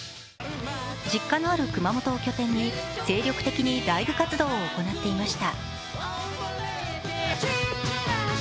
実家のある熊本を拠点に精力的にライブ活動を行っていました。